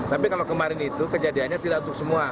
tapi kalau kemarin itu kejadiannya tidak untuk semua